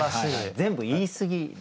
全部言いすぎ。